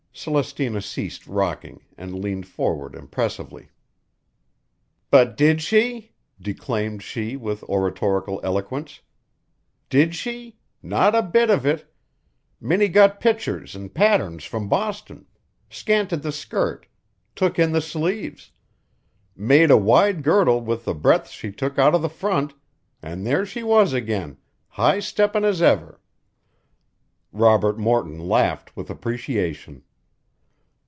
Celestina ceased rocking and leaned forward impressively. "But did she?" declaimed she with oratorical eloquence. "Did she? Not a bit of it. Minnie got pictures an' patterns from Boston; scanted the skirt; took in the sleeves; made a wide girdle with the breadths she took out of the front an' there she was again, high steppin' as ever!" Robert Morton laughed with appreciation.